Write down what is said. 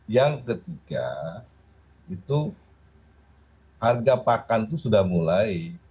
yang ketiga itu harga pakan itu sudah mulai